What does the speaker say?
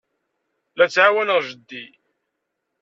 La ttɛawaneɣ jeddi.